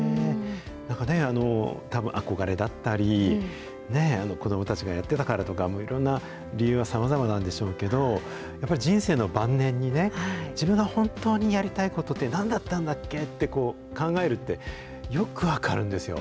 なんかね、たぶん憧れだったり、子どもたちがやってたからとか、いろんな、理由はさまざまなんでしょうけど、やっぱり人生の晩年にね、自分が本当にやりたいことってなんだったんだっけって考えるって、よく分かるんですよ。